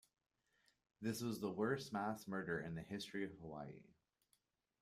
This was the worst mass murder in the history of Hawaii.